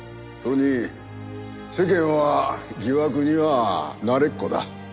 それに世間は疑惑には慣れっこだ。